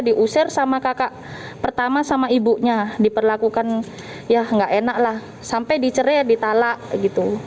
diusir sama kakak pertama sama ibunya diperlakukan ya enggak enaklah sampai diceritai talak begitu